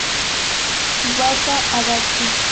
Tsubasa Adachi